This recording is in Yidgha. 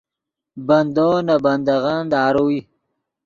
بندو نے بندغّن داروئے